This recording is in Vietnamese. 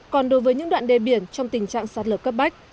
còn đối với những đoạn đê biển trong tình trạng sạt lở cấp bách